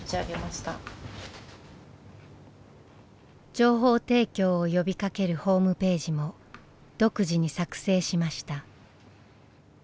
情報提供を呼びかけるホームページも独自に作成しました。